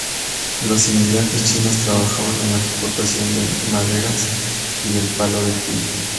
Los inmigrantes chinos trabajaban en la explotación de maderas y el palo de tinte.